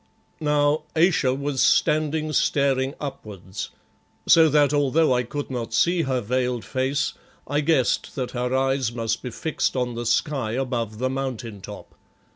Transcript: Now, Ayesha was standing staring upwards, so that although I could not see her veiled face, I guessed that her eyes must be fixed on the sky above the mountain top.